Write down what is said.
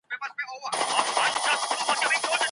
باسواده ښځه د کورني ژوند انتظام څنګه کوي؟